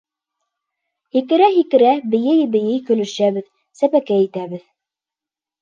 Һикерә-һикерә, бейей-бейей көлөшәбеҙ, сәпәкәй итәбеҙ.